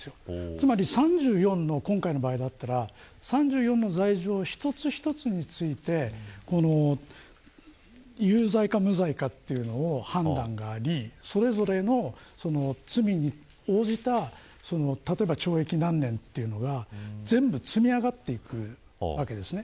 つまり、３４の今回の場合だったら３４の罪状一つ一つについて有罪か無罪かというのを判断がありそれぞれの罪に応じた例えば、懲役何年というのが全部積み上がっていくわけです。